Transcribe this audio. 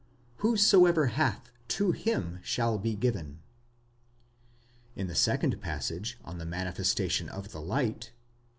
Whosoever hath, to him shall be given. In the second passage on the manifestation of the light (xi.